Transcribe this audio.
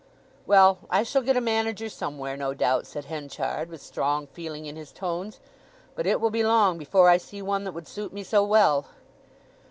"Well, I shall get a manager somewhere, no doubt," said Henchard, with strong feeling in his tones. "But it will be long before I see one that would suit me so well!"